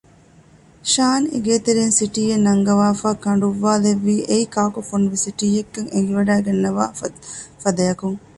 ޝާން އޭގެތެރޭން ސިޓީއެއް ނަންގަވާފައި ކަނޑުއްވާލެއްވީ އެއީ ކާކު ފޮނުވި ސިޓީއެއްކަން އެނގިވަޑައިގަންނަވާ ފަދައަކުން